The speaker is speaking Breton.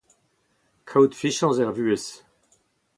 Kaout fiziañz er vuhez.